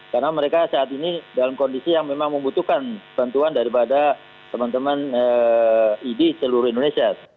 karena mereka saat ini dalam kondisi yang memang membutuhkan bantuan daripada teman teman idi seluruh indonesia